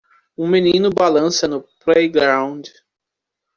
Um menino balança no playground.